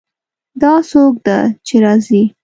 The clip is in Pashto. دا څوک ده چې راځي